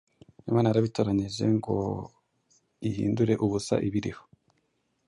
Imana yarabitoranije ngo ihindure ubusa ibiriho.”